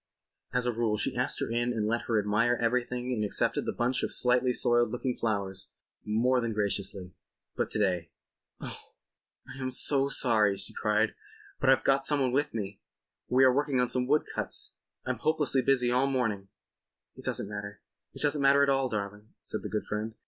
As a rule she asked her in and let her admire everything and accepted the bunch of slightly soiled looking flowers—more than graciously. But to day ... "Oh, I am so sorry," she cried. "But I've got someone with me. We are working on some woodcuts. I'm hopelessly busy all evening." "It doesn't matter. It doesn't matter at all, darling," said the good friend.